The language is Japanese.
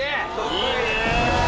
いいねぇ。